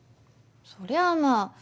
そりゃまあ